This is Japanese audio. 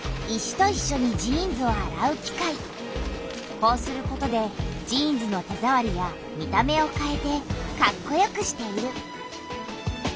こうすることでジーンズの手ざわりや見た目をかえてかっこよくしている。